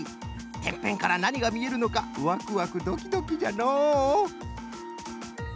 てっぺんからなにがみえるのかワクワクドキドキじゃのう。